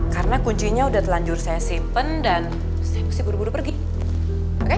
karena kuncinya udah telanjur saya simpen dan saya mesti buru buru pergi oke